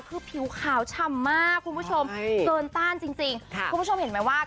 คือผิวขาวฉ่ำมากคุณผู้ชมเกินต้านจริงคุณผู้ชมเห็นไหมว่า